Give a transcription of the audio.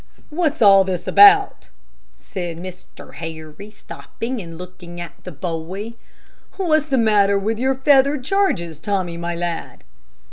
"What's all this about?" said Mr. Harry, stopping and looking at the boy. "What's the matter with your feathered charges, Tommy, my lad?"